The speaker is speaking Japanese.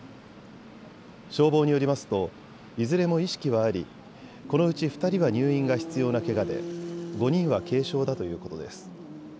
消防によりますといずれも意識はありこのうち２人は入院が必要なけがで５人は軽傷だということです。